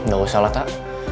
gak usah lah tak